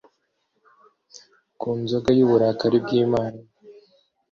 ku nzoga y uburakari bw Imana